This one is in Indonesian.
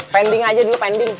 pending aja dulu pending